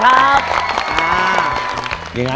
ขอบคุณค่ะ